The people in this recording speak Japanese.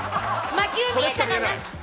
魔球見えたかな？